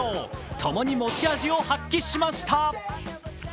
ともに持ち味を発揮しました。